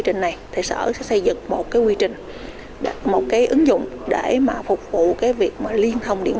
định thì sở sẽ xây dựng một cái quy trình một cái ứng dụng để mà phục vụ cái việc mà liên thông điện